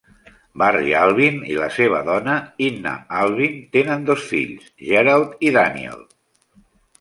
Barry Albin i la seva dona, Inna Albin, tenen dos fills, Gerald i Daniel.